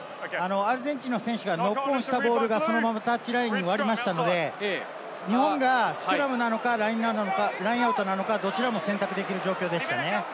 アルゼンチンの選手がノックオンしたボールがそのままタッチラインを割りましたので、日本がスクラムなのかラインアウトなのか、どちらも選択できる状況ですね。